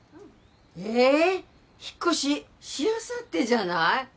えっ引っ越ししあさってじゃない？